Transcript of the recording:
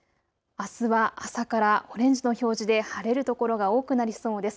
あすは朝からオレンジの表示で晴れる所が多くなりそうです。